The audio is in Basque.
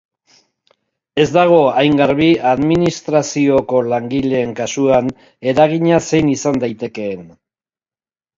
Ez dago hain garbi administrazioko langileen kasuan eragina zein izan daitekeen.